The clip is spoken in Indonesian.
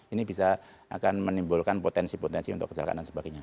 ini bisa akan menimbulkan potensi potensi untuk kecelakaan dan sebagainya